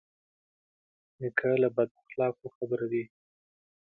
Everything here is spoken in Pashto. نیکه له بد اخلاقو خبروي.